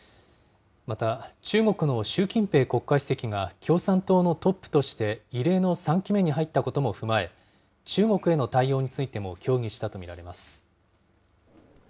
また中国の習近平国家主席が、共産党のトップとして異例の３期目に入ったことも踏まえ、中国への対応についても協議したと見られます。